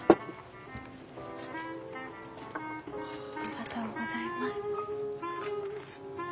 ありがとうございます。